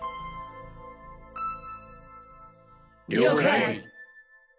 了解！